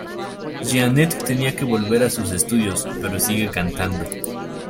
Jeanette tenía que volver a sus estudios, pero sigue cantando.